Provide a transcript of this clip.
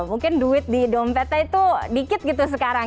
mungkin duit di dompetnya itu dikit gitu sekarang